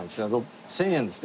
１０００円ですか？